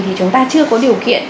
thì chúng ta chưa có điều kiện